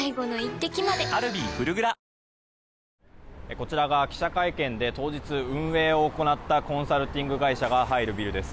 こちらは記者会見で当日運営を行ったコンサルティング会社が入るビルです。